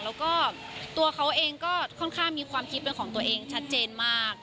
แล้วก็ตัวเขาเองก็ค่อนข้างมีความคิดเป็นของตัวเองชัดเจนมาก